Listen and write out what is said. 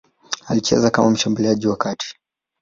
Alicheza kama mshambuliaji wa kati.